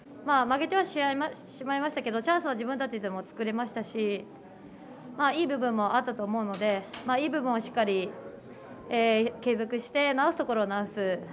負けてはしまいましたがチャンスを自分たちでも作れましたしいい部分もあったと思うのでいい部分をしっかり継続して直すところを直す。